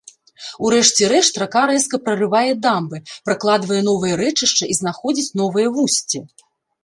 У рэшце рэшт рака рэзка прарывае дамбы, пракладвае новае рэчышча і знаходзіць новае вусце.